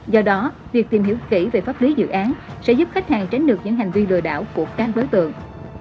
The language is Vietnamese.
do đó việc tìm hiểu kỹ về pháp lý dự án sẽ giúp khách hàng tránh được những hành vi lừa đảo của các đối tượng